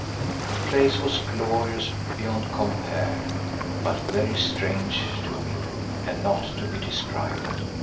The place was glorious beyond compare, but very strange to me and not to be described.